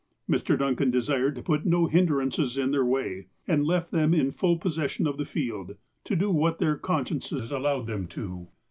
Mr. Duncan desired to put no hindrances in their way, and left them in full possession of the field, to do what their consciences allowed them to.